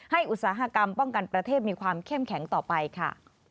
อุตสาหกรรมป้องกันประเทศมีความเข้มแข็งต่อไปค่ะ